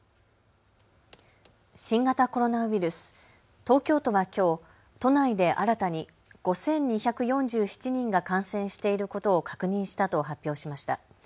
新型コロナウイルス、東京都はきょう都内で新たに５２４７人が感染していることを確認したと発表しました。